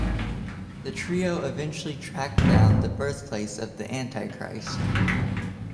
The trio eventually track down the birthplace of the Antichrist.